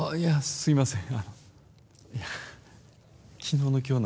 すいません。